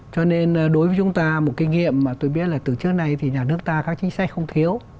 cho nên đối với chúng ta một kinh nghiệm mà tôi biết là từ trước nay thì nhà nước ta các chính sách không thiếu